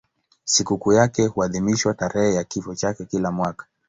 Sikukuu yake huadhimishwa tarehe ya kifo chake kila mwaka.